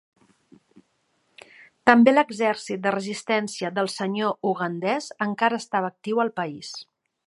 També l'Exèrcit de Resistència del Senyor ugandès encara estava actiu al país.